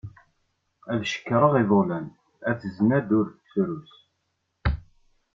Ad cekkreɣ iḍulan, at znad ur nettrus.